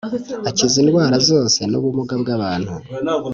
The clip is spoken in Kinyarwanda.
akiza n’indwara zose n’ubumuga bw’abantu.